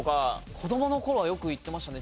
子供の頃はよく行ってましたね